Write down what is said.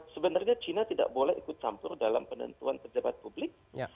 sebenarnya china tidak boleh ikut campur dalam penentuan pejabat publik